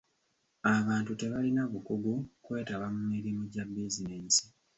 Abantu tebalina bukugu kwetaba mu mirimu gya bizinensi.